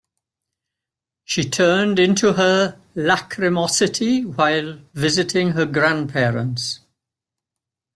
She turned into her lachrymosity while visiting her grandparents.